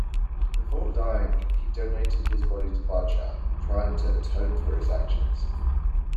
Before dying, he donated his body to Bhadsha, trying to atone for his actions.